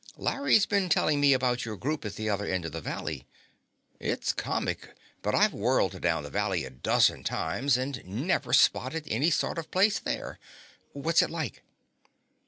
"Larry's been telling me about your group at the other end of the valley. It's comic, but I've whirled down the valley a dozen times and never spotted any sort of place there. What's it like?"